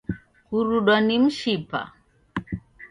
Kurudwa ni mshipa